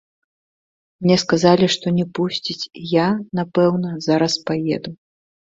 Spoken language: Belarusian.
Мне сказалі, што не пусцяць і я, напэўна, зараз паеду.